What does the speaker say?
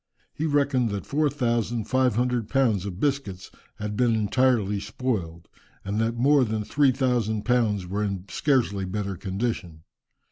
He reckoned that four thousand five hundred pounds of biscuits had been entirely spoiled, and that more than three thousand pounds were in scarcely better condition.